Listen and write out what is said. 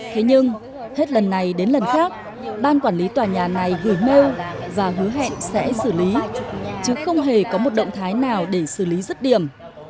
thế nhưng hết lần này đến lần khác ban quản lý tòa nhà này gửi mail và hứa hẹn sẽ xử lý chứ không hề có một động thái nào để xử lý rứt điểm